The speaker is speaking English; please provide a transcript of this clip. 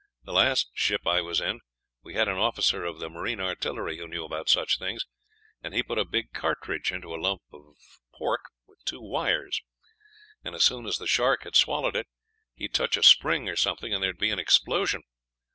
The last ship I was in, we had an officer of the Marine Artillery who knew about such things, and he put a big cartridge into a lump of pork, with two wires, and as soon as the shark had swallowed it he would touch a spring or something, and there would be an explosion.